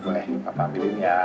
pak pampirin ya